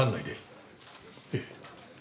ええ。